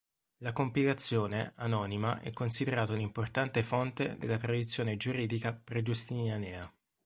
La compilazione, anonima, è considerata un'importante fonte della tradizione giuridica pre-giustinianea.